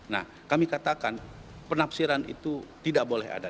nah kami katakan penafsiran itu tidak boleh ada